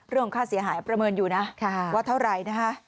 เรื่องค่าเสียหายประเมินอยู่นะว่าเท่าไหร่นะคะ